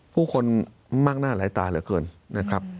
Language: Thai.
ผู้คนมากหน้าหลายตาเหลือเกินนะครับ